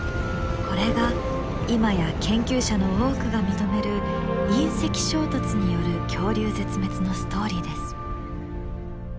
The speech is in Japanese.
これが今や研究者の多くが認める隕石衝突による恐竜絶滅のストーリーです。